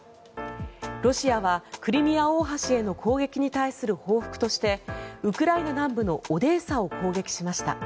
ロシアはクリミア大橋への攻撃に対する報復としてウクライナ南部のオデーサを攻撃しました。